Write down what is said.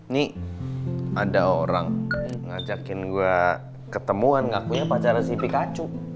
nih ada orang ngajakin gua ketemuan ngakunya pacarnya si pikachu